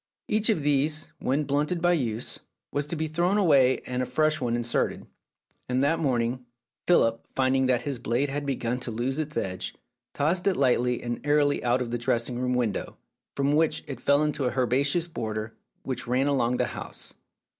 Each of these, when blunted by use, was to be thrown away and a fresh one in 292 Philip's Safety Razor serted, and that morning, Philip, finding that his blade had begun to lose its edge, tossed it lightly and airily out of his dressing room window, from which it fell into a herbaceous border which ran along the house.